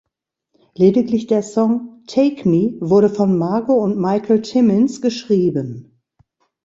Lediglich der Song "Take Me" wurde von Margo und Michael Timmins geschrieben.